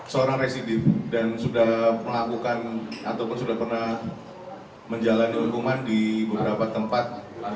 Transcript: seorang residip dan sudah melakukan ataupun sudah pernah menjalani hukuman di beberapa tempat